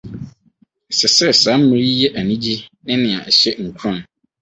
Ɛsɛ sɛ saa mmere yi yɛ anigye ne nea ɛhyɛ nkuran.